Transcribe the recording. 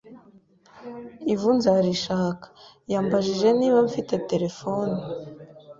ivu nzarishaka. Yambajije niba mfite telephone ,